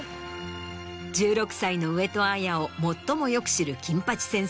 １６歳の上戸彩を最もよく知る金八先生